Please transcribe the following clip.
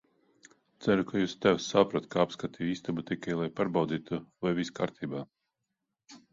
Ceru, ka jūsu tēvs saprot, ka apskatīju istabu tikai, lai pārbaudītu, vai viss kārtībā.